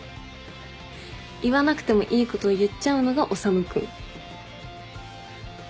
言わなくてもいいこと言っちゃうのが修君。